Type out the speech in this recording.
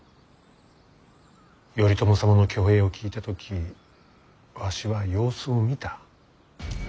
頼朝様の挙兵を聞いた時わしは様子を見た。